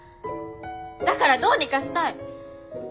だからどうにかしたい。